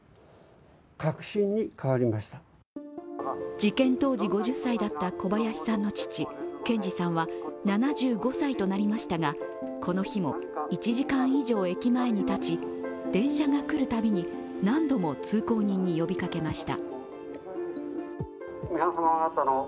事件当時５０歳だった小林さんの父・賢二さんは７５歳となりましたが、この日も１時間以上、駅前に立ち電車が来るたびに何度も通行人に呼びかけました。